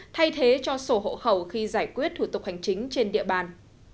thay thế cho sổ hộ khẩu khi giải quyết thủ tục hành chính trên địa bàn